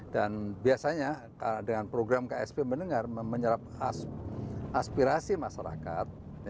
dan biasanya dengan program ksp mendengar menyerap aspirasi masyarakat